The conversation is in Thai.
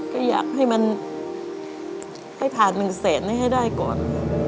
ก็อยากให้มันไปผ่านหนึ่งเศษนึงให้ได้ก่อน